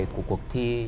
của cuộc thi